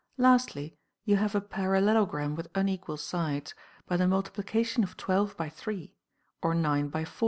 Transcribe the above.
Lastly, you have a parallelogram with unequal sides, by the multiplication of 12 by 3, or 9 by 4.